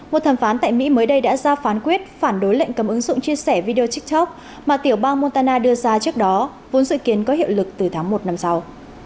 một thẩm phán tại mỹ mới đây đã ra phán quyết phản đối lệnh cấm ứng dụng chia sẻ video tiktok mà tiểu bang montana đưa ra trước đó vốn dự kiến có hiệu lực từ tháng một năm sau